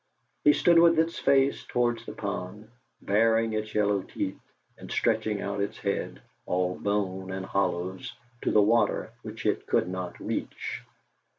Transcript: It stood with its face towards the pond, baring its yellow teeth, and stretching out its head, all bone and hollows, to the water which it could not reach.